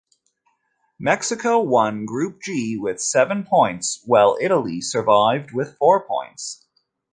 Mexico won Group G with seven points, while Italy survived with four points.